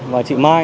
và chị mai